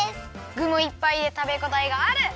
ぐもいっぱいでたべごたえがある！